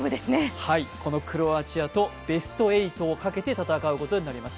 このクロアチアとベスト８をかけて戦うことになります。